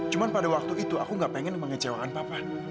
cuman pada waktu itu aku tidak ingin mengecewakan papa